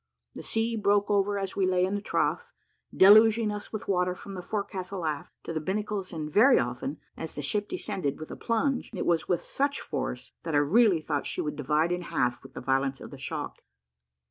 The sea broke over as we lay in the trough, deluging us with water from the forecastle, aft, to the binnacles and very often, as the ship descended with a plunge, it was with such force that I really thought she would divide in half with the violence of the shock.